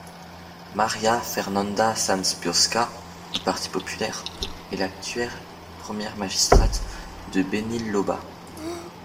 María Fernanda Sanz Biosca, du Parti Populaire, est l'actuelle première magistrate de Benilloba.